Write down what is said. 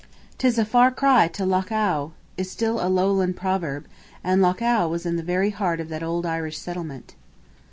"'Tis a far cry to Lough Awe," is still a lowland proverb, and Lough Awe was in the very heart of that old Irish settlement.